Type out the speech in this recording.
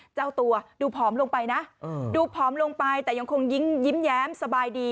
เจ้าตัวดูผอมลงไปนะดูผอมลงไปแต่ยังคงยิ้มแย้มสบายดี